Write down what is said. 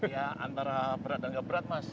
ya antara berat dan nggak berat mas